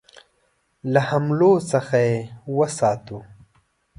له حملو څخه یې وساتو.